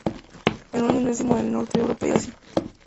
Es un endemismo del Norte de Europa y Asia.